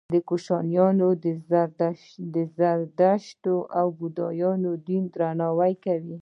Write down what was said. کوشانیانو د زردشتي او بودايي دین درناوی کاوه